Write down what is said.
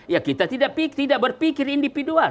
ya kita tidak berpikir individual